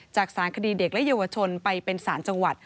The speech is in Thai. จากสารคดีเด็กและเยาวชนไปเป็นสารจังหวัด